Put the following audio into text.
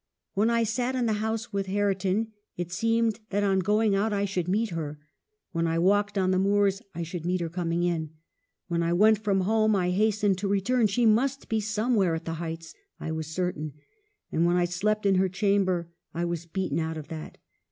" When I sat in the house with Hareton, it seemed that on going out I should meet her ; when I walked on the moors, I should meet her coming in. When I went from home, I hastened to return ; she must be somewhere at the Heights I was certain ; and when I slept in her chamber — I was beaten out of that.